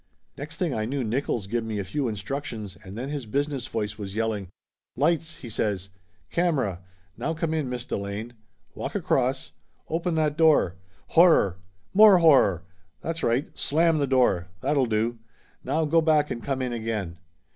Next thing I knew Nickolls give me a few instruc tions and then his business voice was yelling. "Lights!" he says. "Camera! Now come in, Miss Delane! Walk across! Open that door! Horror! More horror! That's right! Slam the door! That'll do! Now go back and come in again.